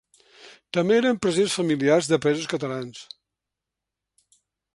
També eren presents familiars de presos catalans.